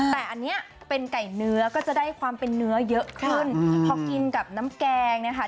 แต่อันนี้เป็นไก่เนื้อก็จะได้ความเป็นเนื้อเยอะขึ้นพอกินกับน้ำแกงนะคะ